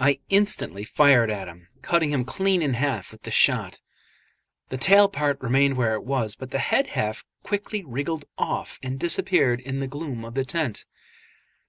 I instantly fired at him, cutting him clean in half with the shot; the tail part remained where it was, but the head half quickly wriggled off and disappeared in the gloom of the tent.